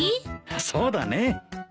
そうだね。